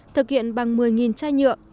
thực hiện bằng một mươi chai nhựa